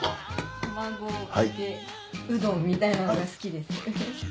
卵かけうどんみたいなのが好きです。